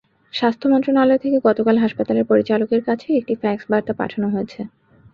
স্বাস্থ্য মন্ত্রণালয় থেকে গতকাল হাসপাতালের পরিচালকের কাছে একটি ফ্যাক্স বার্তা পাঠানো হয়েছে।